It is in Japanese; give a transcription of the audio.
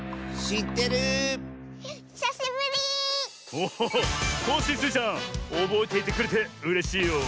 おおっコッシースイちゃんおぼえていてくれてうれしいよ。